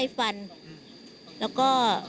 แล้วหลังจากนั้นเราขับหนีเอามามันก็ไล่ตามมาอยู่ตรงนั้น